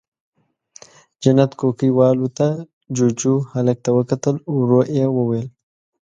جنت کوکۍ والوته، جُوجُو، هلک ته وکتل، ورو يې وويل: